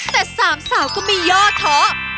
แต่สามสาวก็ไม่ย่อท้อ